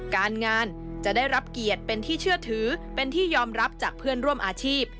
การงานจะได้รับเกียรติเป็นที่เชื่อถือเป็นที่ยอมรับจากเพื่อนร่วมอาชีพ